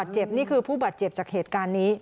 เจ็บนี่คือผู้บาดเจ็บจากเหตุการณ์นี้